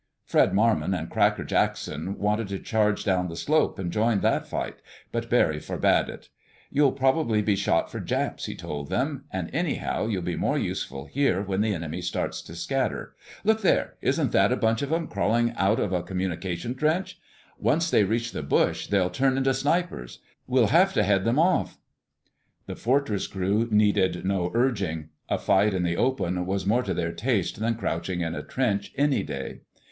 Fred Marmon and Cracker Jackson wanted to charge down the slope and join that fight, but Barry forbade it. "You'd probably be shot for Japs," he told them. "And, anyhow, you'll be more useful here when the enemy starts to scatter.... Look there! Isn't that a bunch of 'em crawling out of a communication trench? Once they reach the bush they'll all turn into snipers. We'll have to head them off." The Fortress crew needed no urging. A fight in the open was more to their taste than crouching in a trench, any day.